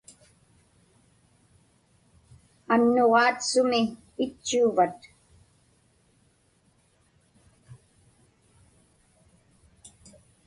Annuġaat sumi itchuuvat?